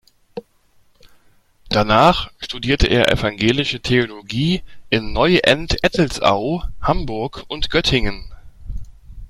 Danach studierte er evangelische Theologie in Neuendettelsau, Hamburg und Göttingen.